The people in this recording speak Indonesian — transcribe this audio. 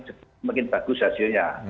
cepat semakin bagus hasilnya